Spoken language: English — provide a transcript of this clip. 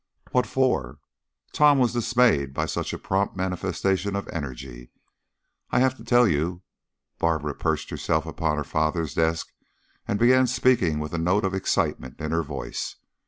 "What for?" Tom was dismayed by such a prompt manifestation of energy. "I'll have to tell you " Barbara perched herself upon her father's desk and began speaking with a note of excitement in her voice.